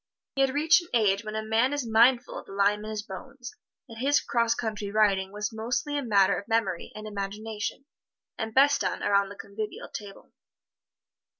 He had reached an age when a man is mindful of the lime in his bones, and his 'cross country riding was mostly a matter of memory and imagination, and best done around the convivial table.